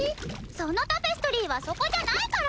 そのタペストリーはそこじゃないから！